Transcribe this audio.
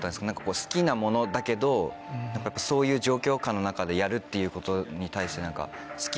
好きなものだけどそういう状況下の中でやるっていうことに対して何か。